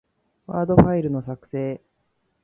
ワードファイルの、作成